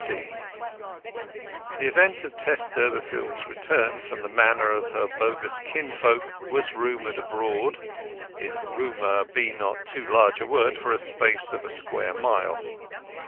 XIII The event of Tess Durbeyfield's return from the manor of her bogus kinsfolk was rumoured abroad, if rumour be not too large a word for a space of a square mile.